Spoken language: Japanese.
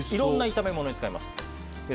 いろんな炒め物に使えます。